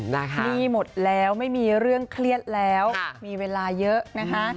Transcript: หนี้หมดแล้วไม่มีเรื่องเครียดแล้วมีเวลาเยอะนะคะ